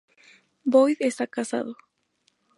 Boyd está casado.